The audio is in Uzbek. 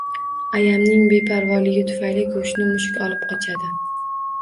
Ayamning beparvoligi tufayli goʻshtni mushuk olib qochadi